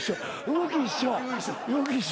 動き一緒。